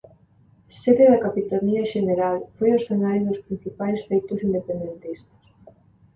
Sede da capitanía xeneral, foi o escenario dos principais feitos independentistas.